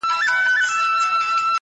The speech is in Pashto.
ستا د دواړو سترگو سمندر گلي!